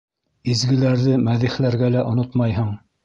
Изгеләрҙе мәҙихләргә лә онотмайһың.